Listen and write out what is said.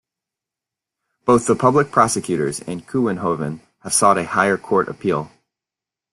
Both the public prosecutors and Kouwenhoven have sought a higher court appeal.